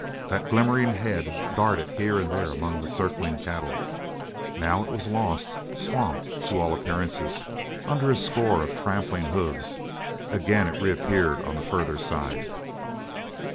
That glimmering head darted here and there among the circling cattle. Now it was lost, swamped, to all appearances, under a score of trampling hooves. Again it reappeared on the further side.